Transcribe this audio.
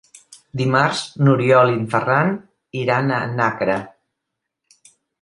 Dimarts n'Oriol i en Ferran iran a Nàquera.